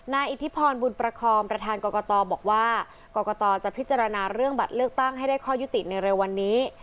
อิทธิพรบุญประคอมประธานกรกตบอกว่ากรกตจะพิจารณาเรื่องบัตรเลือกตั้งให้ได้ข้อยุติในเร็ววันนี้